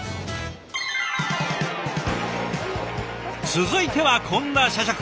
続いてはこんな社食。